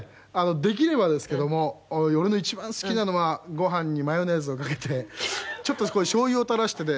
できればですけども俺の一番好きなのはご飯にマヨネーズをかけてちょっとそこにしょうゆを垂らしてね